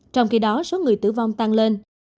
trong khi đó số người tử vong tăng lên